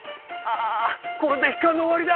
「あこれで一巻の終わりだ」。